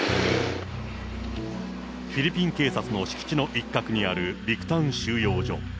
フィリピン警察の敷地の一角にあるビクタン収容所。